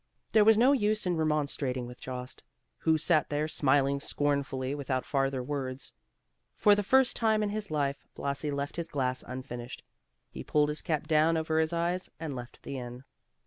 There was no use in remonstrating with Jost, who sat there smiling scornfully without farther words. For the first time in his life, Blasi left his glass unfinished. He pulled his cap down over his eyes and left the inn.